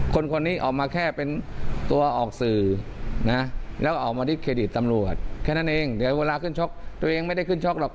คนนี้ออกมาแค่เป็นตัวออกสื่อนะแล้วออกมาที่เครดิตตำรวจแค่นั้นเองเดี๋ยวเวลาขึ้นชกตัวเองไม่ได้ขึ้นชกหรอก